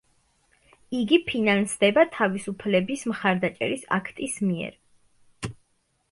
იგი ფინანსდება თავისუფლების მხარდაჭერის აქტის მიერ.